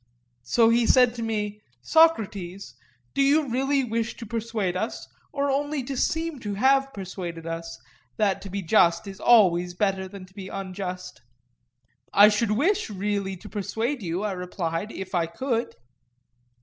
So he said to me: Socrates, do you wish really to persuade us, or only to seem to have persuaded us, that to be just is always better than to be unjust? I should wish really to persuade you, I replied, if I could.